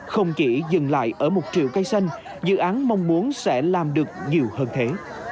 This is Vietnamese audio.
không chỉ dừng lại ở một triệu cây xanh dự án mong muốn sẽ làm được nhiều hơn thế